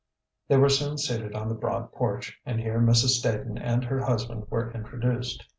They were soon seated on the broad porch, and here Mrs. Staton and her husband were introduced.